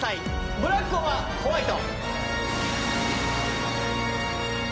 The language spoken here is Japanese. ブラックｏｒホワイト？